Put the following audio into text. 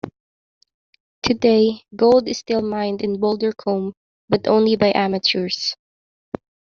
Today, gold is still mined in Bouldercombe, but only by amateurs.